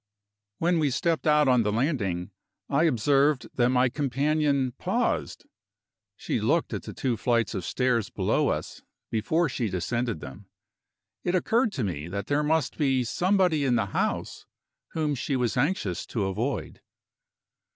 When we stepped out on the landing, I observed that my companion paused. She looked at the two flights of stairs below us before she descended them. It occurred to me that there must be somebody in the house whom she was anxious to avoid.